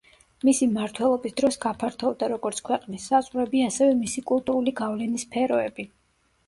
მისი მმართველობის დროს გაფართოვდა, როგორც ქვეყნის საზღვრები, ასევე მისი კულტურული გავლენის სფეროები.